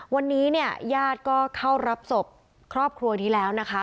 วันนี้เนี่ยญาติก็เข้ารับศพครอบครัวนี้แล้วนะคะ